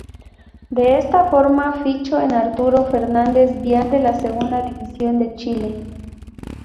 De esta forma fichó en Arturo Fernández Vial de la Segunda División de Chile.